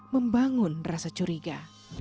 membangun rasa curiga